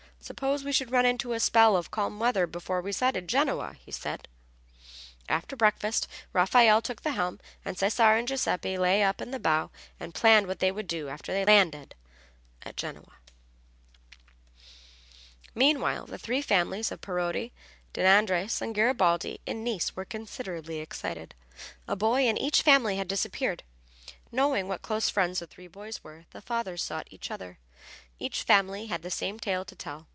"Suppose we should run into a spell of calm weather before we sighted Genoa," said he. After breakfast Raffaelle took the helm and Cesare and Giuseppe lay up in the bow and planned what they would do after they landed at Genoa. Meanwhile the three families of Parodi, Deandreis and Garibaldi in Nice were considerably excited. A boy in each family had disappeared. Knowing what close friends the three boys were the fathers sought each other. Each family had the same tale to tell.